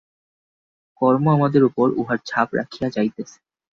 কর্ম আমাদের উপর উহার ছাপ রাখিয়া যাইতেছে।